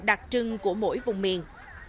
đặc trưng của mỗi vùng miền